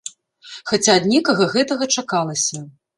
Хаця ад некага гэтага чакалася.